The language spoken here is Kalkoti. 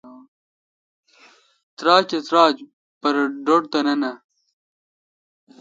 تراچ تہ تراچ پرہ ڈھٹ تہ نہ نہ